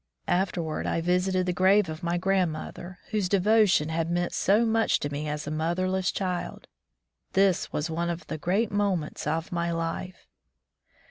Afterward I visited the grave of my grandmother, whose devotion had meant so much to me as a motherless child. This was one of the great moments of my life.